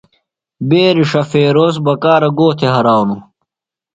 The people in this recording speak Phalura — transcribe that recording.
بیرݜہ فیروز بکارہ گو تھےۡ ہرانوۡ؟